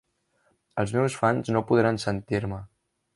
Els meus fans no podran sentir-me.